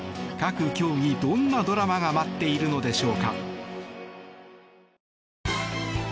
各競技、どんなドラマが待っているのでしょうか。